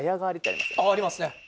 ああありますね。